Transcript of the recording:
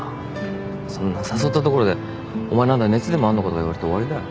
そんな誘ったところで「お前何だ熱でもあんのか」とか言われて終わりだよ。